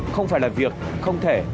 không phải là việc không thể